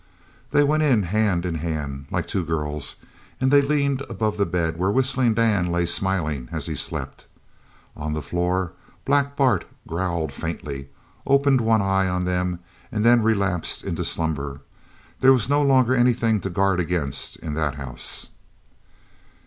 They went hand in hand like two girls, and they leaned above the bed where Whistling Dan lay smiling as he slept. On the floor Black Bart growled faintly, opened one eye on them, and then relapsed into slumber. There was no longer anything to guard against in that house.